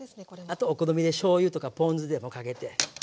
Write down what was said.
あとはお好みでしょうゆとかポン酢でもかけて。